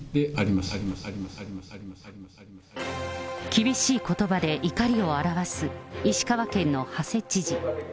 厳しいことばで怒りを表す、石川県の馳知事。